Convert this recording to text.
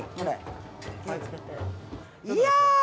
いや！